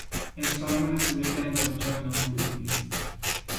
امسال محصول گندم چندان خوب نیست.